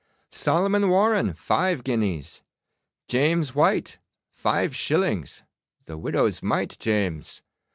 Solomon Warren, five guineas. James White, five shillings the widow's mite, James!